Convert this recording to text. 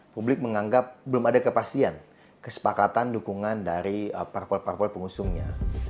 publik menganggap belum ada kepastian kesepakatan dukungan dari parpol parpol pengusungnya